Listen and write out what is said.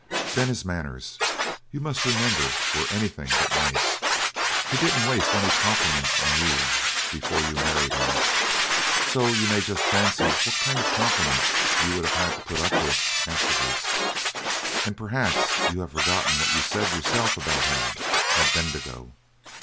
Then his manners, you must remember, were anything but nice; he didn't wasteany compliments on you before you married him, so you may just fancy what kind of compliments you would have had to put up with afterwards. And perhaps you have forgotten what you said yourself about him at Bendigo.